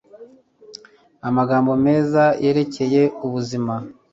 Amagambo meza yerekeye ubuzima